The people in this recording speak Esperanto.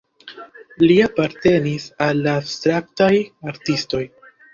Li apartenis al la abstraktaj artistoj.